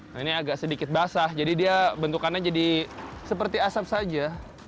nah ini agak sedikit basah jadi dia bentukannya jadi seperti asap saja